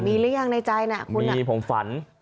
มีอะไรอย่างในใจนะคุณอ่ะมีผมฝัน